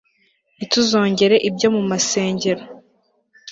ntituzongere ibyo mumasengero